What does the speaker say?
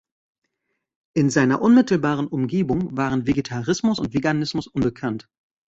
In seiner unmittelbaren Umgebung waren Vegetarismus und Veganismus unbekannt.